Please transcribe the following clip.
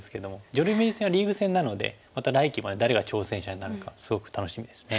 女流名人戦はリーグ戦なのでまた来期も誰が挑戦者になるかすごく楽しみですね。